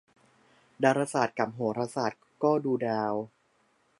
ดาราศาสตร์กับโหราศาสตร์ก็ดูดาว